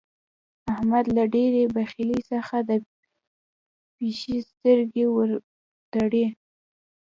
احمد له ډېرې بخيلۍ څخه د پيشي سترګې ور تړي.